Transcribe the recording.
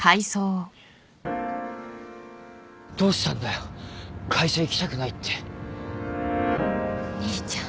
どうしたんだよ会社行きたくないってお兄ちゃん